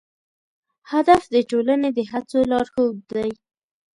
هدف د ټولنې د هڅو لارښود دی.